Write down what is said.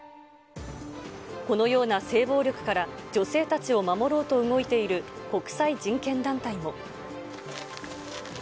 このような性暴力から女性たちを守ろうと動いている国際人権団体も。